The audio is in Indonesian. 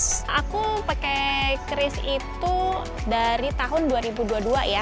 mas aku pakai cris itu dari tahun dua ribu dua puluh dua ya